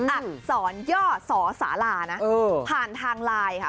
อาดศรเยาะศรสาราผ่านทางไลน์